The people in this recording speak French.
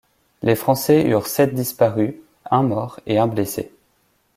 Les Français eurent sept disparus, un mort et un blessé.